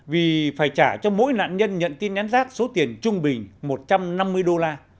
vì phải trả cho mỗi nạn nhân nhận tin nhắn rác số tiền trung bình một trăm năm mươi đô la